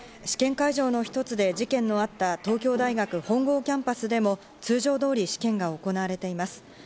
試験会場の一つで、事件のあった東京大学・本郷キャンパスでも通常通り試験が行われています。